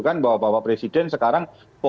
saya menunjukkan bahwa presiden sekarang